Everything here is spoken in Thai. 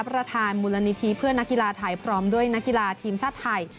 ประธานมูลนิธิเพื่อนนักกีฬาไทยพร้อมด้วยนักกีฬาทีมชาติไทย